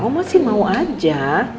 oma sih mau aja